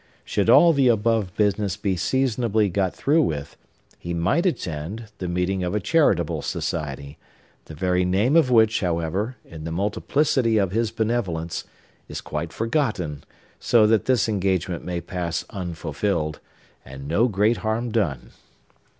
Should all the above business be seasonably got through with, he might attend the meeting of a charitable society; the very name of which, however, in the multiplicity of his benevolence, is quite forgotten; so that this engagement may pass unfulfilled, and no great harm done.